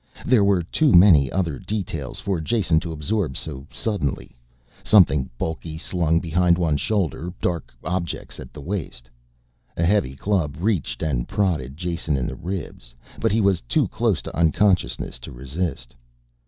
There were too many other details for Jason to absorb so suddenly; something bulky slung behind one shoulder, dark objects at the waist, a heavy club reached and prodded Jason in the ribs, but he was too close to unconsciousness to resist.